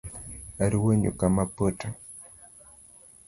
Aruwo nyuka mopoto